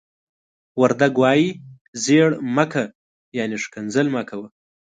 وردگ وايي: "زيَړِ مَ کَ." يعنې ښکنځل مه کوه.